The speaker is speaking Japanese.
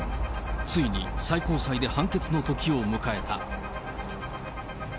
ついに最高裁で判決の時を迎えた。